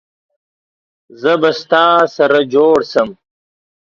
زه به ستا سره جوړ سم